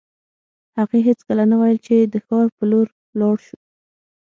هغې هېڅکله نه ویل چې د ښار په لور ولاړ شو